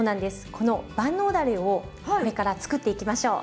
この万能だれをこれからつくっていきましょう。